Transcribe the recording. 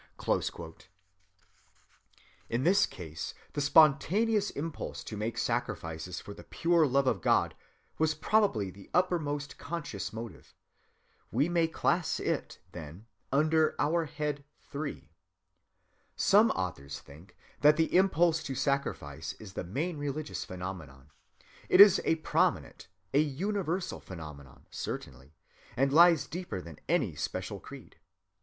"(178) In this case the spontaneous impulse to make sacrifices for the pure love of God was probably the uppermost conscious motive. We may class it, then, under our head 3. Some authors think that the impulse to sacrifice is the main religious phenomenon. It is a prominent, a universal phenomenon certainly, and lies deeper than any special creed.